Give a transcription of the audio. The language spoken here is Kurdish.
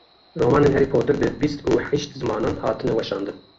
Romanên Harry Potter bi bîst û heşt zimanan hatine weşandin.